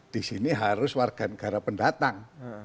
di sini harus warga negara pendatang